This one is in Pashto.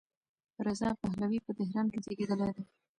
رضا پهلوي په تهران کې زېږېدلی دی.